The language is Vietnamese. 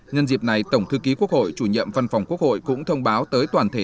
nhân dịp này tổng thư ký quốc hội chủ nhiệm văn phòng quốc hội cũng thông báo tới toàn thể